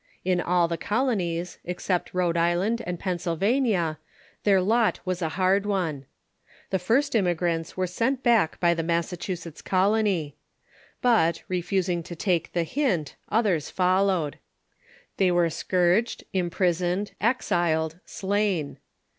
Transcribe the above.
In all the colonies, except Rhode Island and Pennsylva nia, their lot was a hard one. The first immigrants PGrsGCutions were sent back by the Massachusetts Colon3^ But, refusing to take the hint, others followed. They were scourged, imprisoned, exiled, slain.